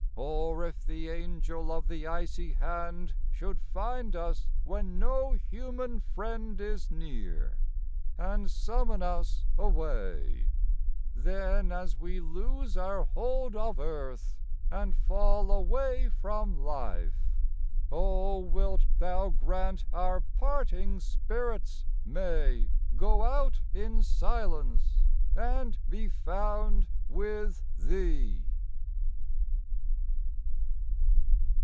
Or if the angel of the icy hand Should find us when no human friend is near And summon us away, then as we lose Our hold of earth and fall away from life, O wilt Thou grant our parting spirits may Go out in silence and be found with Thee.